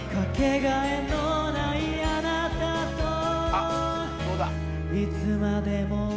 あっどうだ。